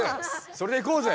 それでいこうぜ！